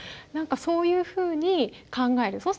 何かそういうふうに考える。